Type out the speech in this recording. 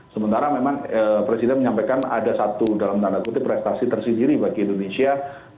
sementara memang presiden menyampaikan ada satu dalam tanda kutip prestasi tersendiri bagi indonesia